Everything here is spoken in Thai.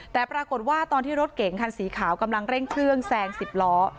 แต่ปรากฏว่าตอนที่รถเก๋งคันสีขาวกำลังเร่งเครื่องแซง๑๐ล้อ